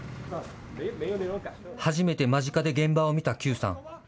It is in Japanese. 初めて間近で現場を見た邱さん。